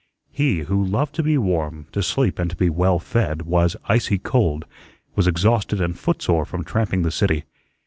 He, who loved to be warm, to sleep and to be well fed, was icy cold, was exhausted and footsore from tramping the city.